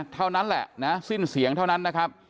เท่านั้นแหละนะสิ้นเสียงเท่านั้นนะครับ